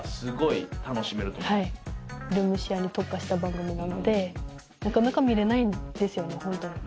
ルームシェアに特化した番組なのでなかなか見れないんですよねホントに。